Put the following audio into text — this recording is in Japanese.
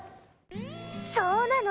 そうなの。